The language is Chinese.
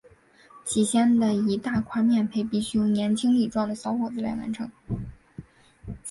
起先的一大块面培必须由年轻力壮的小伙子来完成。